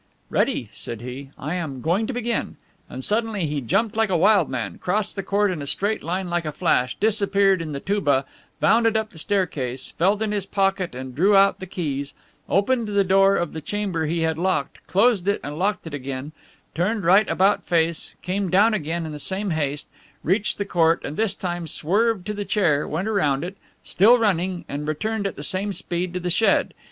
"Ready," said he; "I am going to begin" And suddenly he jumped like a wild man, crossed the court in a straight line like a flash, disappeared in the touba, bounded up the staircase, felt in his pocket and drew out the keys, opened the door of the chamber he had locked, closed it and locked it again, turned right about face, came down again in the same haste, reached the court, and this time swerved to the chair, went round it, still running, and returned at the same speed to the shed.